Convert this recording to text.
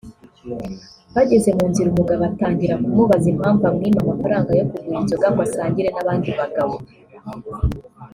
bageze mu nzira umugabo atangira kumubaza impamvu amwima amafaranga yo kugura inzoga ngo asangire n’abandi bagabo